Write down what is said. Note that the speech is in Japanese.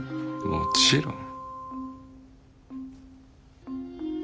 もちろん。